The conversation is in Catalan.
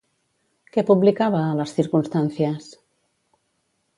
Què publicava a Las Circunstancias?